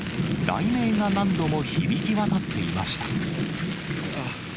雷鳴が何度も響き渡っていました。